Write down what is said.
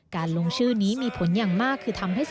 การลงชื่อนี้มีผลอย่างมาก